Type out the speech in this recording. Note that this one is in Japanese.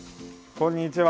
こんにちは。